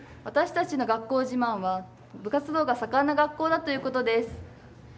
私たちの学校自慢は部活動が盛んな学校だということです。